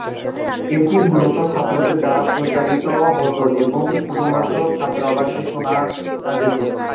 এটি মূলত ছাত্রদের দ্বারা পরিচালিত হত এবং শুধুমাত্র ছাত্রাবাসে শোনা যেত।